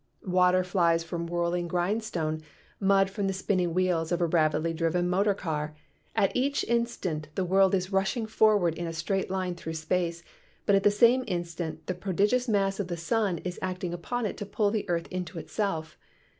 Water flies from a whirling grindstone, mud from the spinning wheels of a rapidly driven motor car. At each instant the world is rushing forward in a straight line through space, but at the same instant the pro digious mass of the sun is acting upon it to pull the earth into itself.